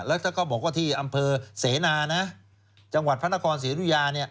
แล้วก็บอกว่าที่อำเภอเสนาจังหวัดพระนครศรีรุยา